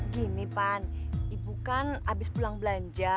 gini pan ibu kan abis pulang belanja